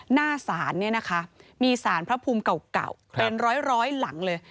หน้าศาลเนี่ยนะคะมีสารพระภูมิเก่าเป็นร้อยหลังเลย